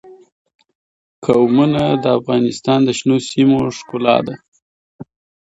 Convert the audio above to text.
قومونه د افغانستان د شنو سیمو ښکلا ده.